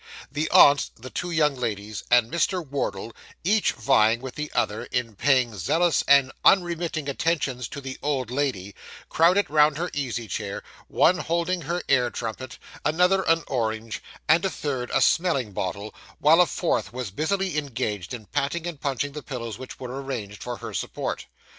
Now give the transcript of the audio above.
The aunt, the two young ladies, and Mr. Wardle, each vying with the other in paying zealous and unremitting attentions to the old lady, crowded round her easy chair, one holding her ear trumpet, another an orange, and a third a smelling bottle, while a fourth was busily engaged in patting and punching the pillows which were arranged for her support.